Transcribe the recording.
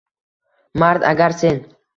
Mard agar sen